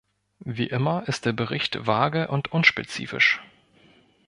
Wie immer ist der Bericht vage und unspezifisch.